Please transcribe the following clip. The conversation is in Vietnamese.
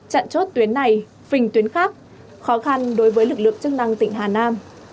chặn chốt tuyến này phình tuyến khác khó khăn đối với lực lượng chức năng tỉnh hà nam